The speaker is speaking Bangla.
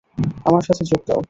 আমার সাথে যোগ দাও।